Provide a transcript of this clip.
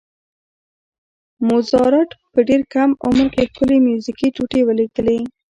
موزارټ په ډېر کم عمر کې ښکلې میوزیکي ټوټې ولیکلې.